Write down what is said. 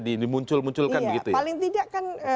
dimuncul munculkan begitu paling tidak kan